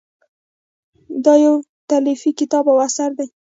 دا یو تالیفي کتاب او اثر دی.